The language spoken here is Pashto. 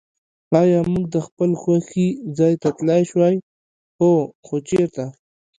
آیا موږ د خپل خوښي ځای ته تللای شوای؟ هو. خو چېرته؟